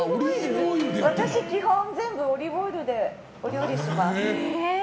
私基本全部オリーブオイルでお料理します。